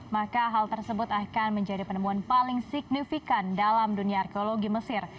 maka hal tersebut akan menjadi penemuan paling signifikan dalam dunia arkeologi mesir